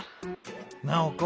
「ナオコ。